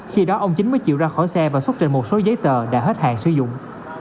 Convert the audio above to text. khi đó ông chính mới chịu ra khỏi xe và xuất trình một số giấy tờ đã hết hạn sử dụng